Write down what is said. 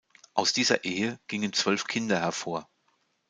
Aus dieser Ehe gingen zwölf Kinder hervor.